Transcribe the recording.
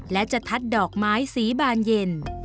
และจะทัดดอกไม้สีบานเย็น